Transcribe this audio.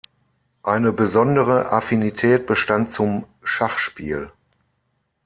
Eine besondere Affinität bestand zum Schachspiel.